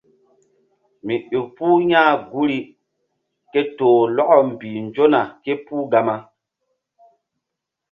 Mi ƴo puh ya̧h guri ke toh lɔkɔ mbih nzona ké puh Gama.